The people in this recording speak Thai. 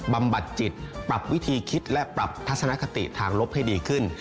บัดจิตปรับวิธีคิดและปรับทัศนคติทางลบให้ดีขึ้น